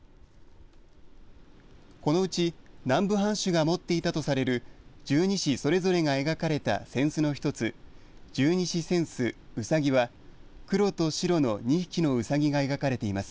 このうち南部藩主が持っていたとされる十二支それぞれが描かれた扇子の１つ十二支扇子・卯は黒と白の２匹のうさぎが描かれています。